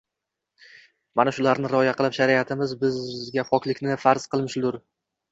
Mana shularni rioya qilub, shariatimiz bizga poklikni farz qilmishdur